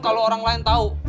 kalau orang lain tau